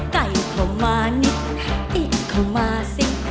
ไก่เข้ามานิดติเข้ามาสิ